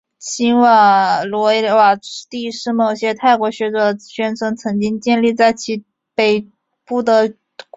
辛哈罗瓦帝是某些泰国学者宣称曾经建立在其北部的古国。